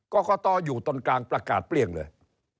กรกตอยู่ตนกลางประกาศเปรี้ยงเลย